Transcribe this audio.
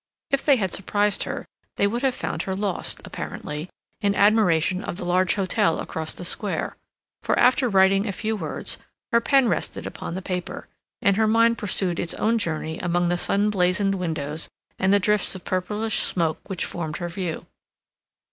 If they had surprised her they would have found her lost, apparently, in admiration of the large hotel across the square, for, after writing a few words, her pen rested upon the paper, and her mind pursued its own journey among the sun blazoned windows and the drifts of purplish smoke which formed her view.